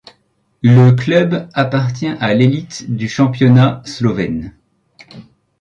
Le club appartient à l'élite du championnat slovène.